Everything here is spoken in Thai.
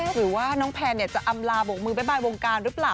หรือว่าน้องแพนจะอำลาบกมือบ๊ายวงการหรือเปล่า